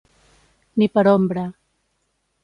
Ni per ombra.